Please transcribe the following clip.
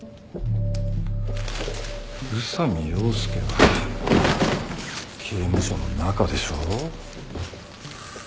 宇佐美洋介は刑務所の中でしょ？